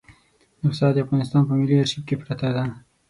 نسخه د افغانستان په ملي آرشیف کې پرته ده.